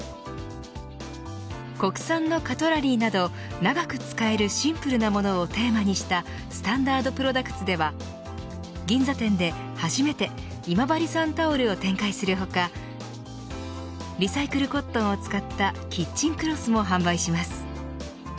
国産のカトラリーなど長く使えるシンプルなものをテーマにしたスタンダードプロダクツでは銀座店で初めて今治産タオルを展開する他リサイクルコットンを使ったキッチンクロスも販売します。